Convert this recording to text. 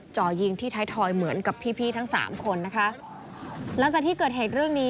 จ่อยิงที่ท้ายทอยเหมือนกับพี่พี่ทั้งสามคนนะคะหลังจากที่เกิดเหตุเรื่องนี้